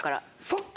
そっか。